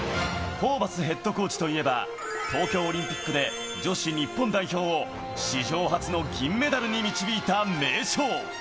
ホーバスヘッドコーチといえば、東京オリンピックで女子日本代表を史上初の銀メダルに導いた名将。